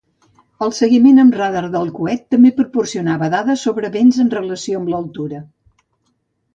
El seguiment amb radar del coet també proporcionava dades sobre vents en relació amb l'altura.